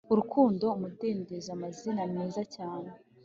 urukundo, umudendezo, amazina meza cyane